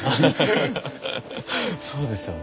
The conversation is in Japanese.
そうですよね。